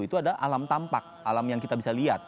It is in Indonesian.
itu adalah alam tampak alam yang kita bisa lihat